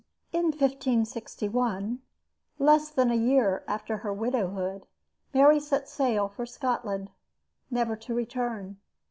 In 1561, less than a year after her widowhood, Mary set sail for Scotland, never to return.